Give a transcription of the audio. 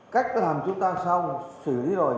cách làm chúng ta xong xử lý rồi